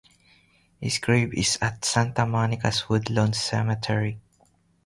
His grave is at Santa Monica's Woodlawn Cemetery.